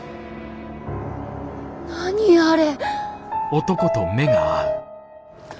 何あれ。